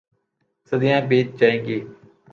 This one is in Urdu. صدیاں بیت جائیں گی۔